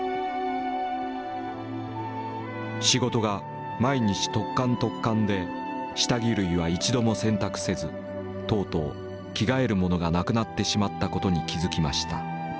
「仕事が毎日突貫突貫で下着類は一度も洗濯せずとうとう着替えるものがなくなってしまったことに気づきました。